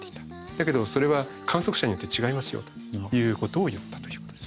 だけどそれは観測者によって違いますよということを言ったということです。